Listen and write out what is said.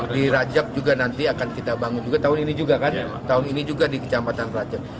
di rajak juga nanti akan kita bangun juga tahun ini juga kan tahun ini juga di kecamatan rajak